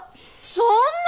そんな！